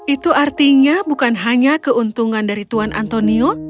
itu artinya bukan hanya keuntungan dari tuan antonio